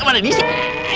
mana di sini